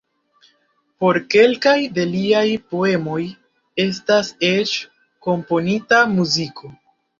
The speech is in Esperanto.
Por kelkaj de liaj poemoj estas eĉ komponita muziko.